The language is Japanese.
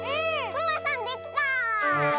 くまさんできた！